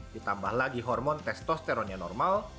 ditambah lagi hormon testosteron yang normal